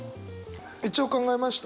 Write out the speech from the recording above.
一応考えました。